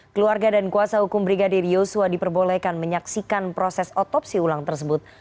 keluarga dan kuasa hukum brigadir yosua diperbolehkan menyaksikan proses otopsi ulang tersebut